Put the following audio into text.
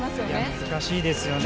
難しいですよね。